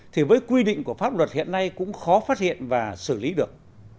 thì với quy định của pháp luật hiện nay cũng khó phát hiện và xử lý được